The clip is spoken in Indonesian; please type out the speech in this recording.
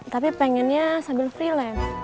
tapi pengennya sambil freelance